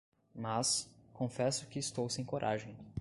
Mas, confesso que estou sem coragem